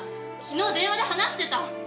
昨日電話で話してた。